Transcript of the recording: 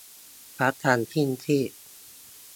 พระจันทร์ครึ่งซีก